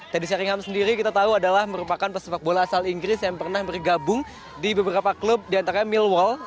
teddy sharingham sendiri kita tahu adalah merupakan pesepak bola asal inggris yang pernah bergabung di beberapa klub diantara milwall